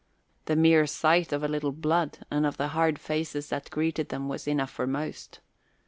The mere sight of a little blood and of the hard faces that greeted them was enough for most.